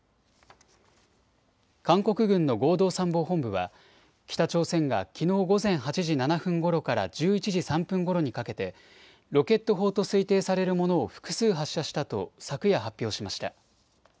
韓国軍の合同参謀本部は北朝鮮がきのう午前８時７分ごろから１１時３分ごろにかけてロケット砲と推定されるものを複数発射したと昨夜発表しました。